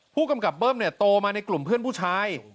ผู้กำกับเบิ้มเนี่ยโตมาในกลุ่มเพื่อนผู้ชาย